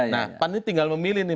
nah pan ini tinggal memilih nih